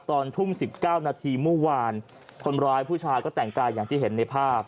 ตอนทุ่ม๑๙นาทีเมื่อวานคนร้ายผู้ชายก็แต่งกายอย่างที่เห็นในภาพ